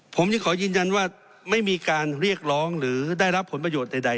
ผมยังขอยืนยันว่าไม่มีการเรียกร้องหรือได้รับผลประโยชน์ใด